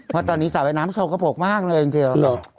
เพราะตอนนี้สระว่ายน้ำโชว์กระโปรกมากเลยจริง